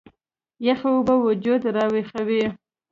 يخې اوبۀ وجود راوېخوي